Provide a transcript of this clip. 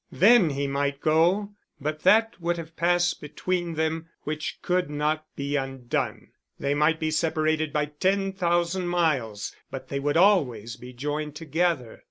Then he might go, but that would have passed between them which could not be undone; they might be separated by ten thousand miles, but they would always be joined together.